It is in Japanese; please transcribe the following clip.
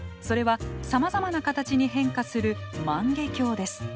それはさまざまな形に変化する万華鏡です。